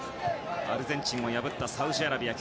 アルゼンチンを破ったサウジアラビア